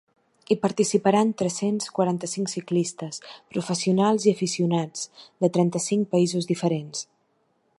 Hi participaran tres-cents quaranta-cinc ciclistes, professionals i aficionats, de trenta-cinc països diferents.